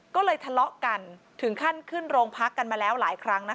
ก็เลยทะเลาะกันถึงขั้นขึ้นโรงพักกันมาแล้วหลายครั้ง